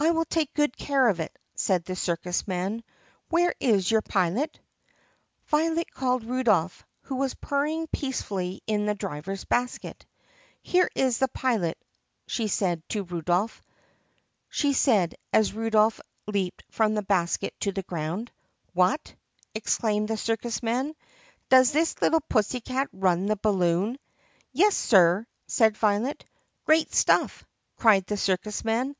"I will take good care of it," said the circus man. "Where is your pilot*?" Violet called Rudolph, who was purring peacefully in the driver's basket. "Here is the pilot," she said as Rudolph leaped from the basket to the ground. "What!" exclaimed the circus man, "does this little pussycat run the balloon*?" "Yes, sir," said Violet. "Great stuff!" cried the circus man.